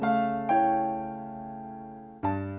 ya udah enggak